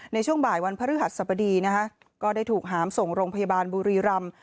ในช่วงบ่ายวันพระฤาษฎร์สัปดีก็ได้ถูกหามส่งโรงพยาบาลบุรีรำ